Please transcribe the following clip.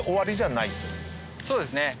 そうですね。